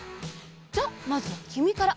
じゃあまずはきみから！